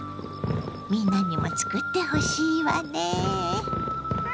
みんなにも作ってほしいわね。